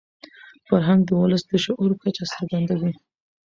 فرهنګ د ولس د شعور کچه څرګندوي.